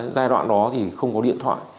giai đoạn đó thì không có điện thoại